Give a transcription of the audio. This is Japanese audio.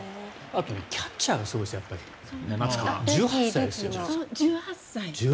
あとキャッチャーがすごいんです、松川君１８歳ですよ。